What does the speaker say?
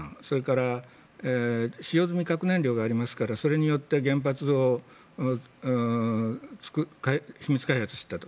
それから使用済み核燃料がありますから、それによって原発を品質開発する。